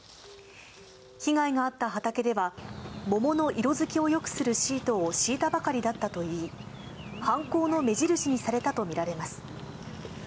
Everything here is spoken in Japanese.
被害があった畑では、桃の色付きをよくするシートを敷いたばかりだったといい、犯行の目印にされたと見られます。